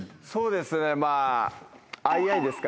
そうですねまぁ。